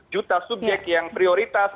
juta subjek yang prioritas